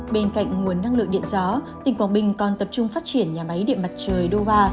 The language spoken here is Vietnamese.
bên cạnh nguồn năng lượng điện gió tỉnh quảng bình còn tập trung phát triển nhà máy điện mặt trời đô ba